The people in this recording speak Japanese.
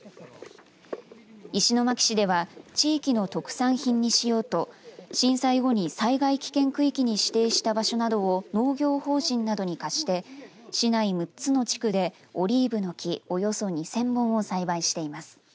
石巻市では地域の特産品にしようと震災後に災害危険区域に指定した場所など農業法人などに貸して市内６つの地区でオリーブの木およそ２０００本を栽培しています。